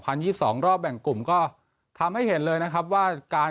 ยี่สิบสองรอบแบ่งกลุ่มก็ทำให้เห็นเลยนะครับว่าการ